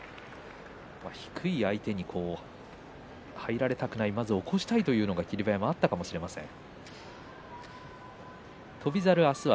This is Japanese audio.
低い相手に入られたくない起こしたいというのが霧馬山はあったかもしれませんね。